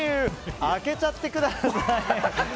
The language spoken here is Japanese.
開けちゃってください！